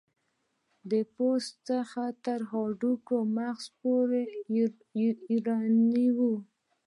د پوست څخه تر هډوکو مغز پورې ایرانی و.